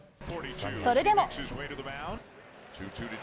それでも。